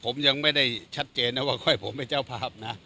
ผมยังไม่ได้ชัดเจนนะว่าค่อยผมเป็นเจ้าภาพนะ